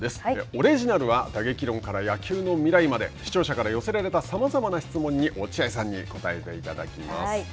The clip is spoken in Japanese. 「オレジナル」は打撃論から野球の未来まで視聴者から寄せられたさまざまな質問に落合さんに答えていただきます。